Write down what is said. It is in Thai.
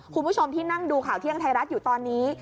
คุณผู้ชมที่นั่งดูข่าวเที่ยงไทยรัฐอยู่ตอนนี้